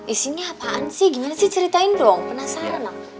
isinya apaan sih gimana sih ceritain dong penasaran